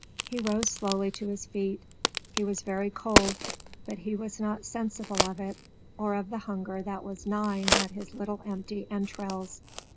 He rose slowly to his feet. He was very cold, but he was not sensible of it or of the hunger that was gnawing his little empty entrails.